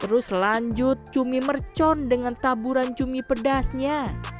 terus lanjut cumi mercon dengan taburan cumi pedasnya